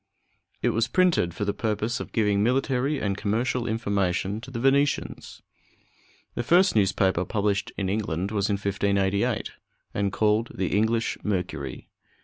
It was printed for the purpose of giving military and commercial information to the Venetians. The first newspaper published in England was in 1588, and called the English Mercury.